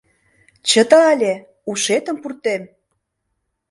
Чыте але, ушетым пуртем!